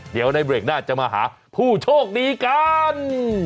เดี๋ยวในเบรกหน้าจะมาหาผู้โชคดีกัน